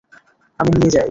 আমি নিয়ে যাই।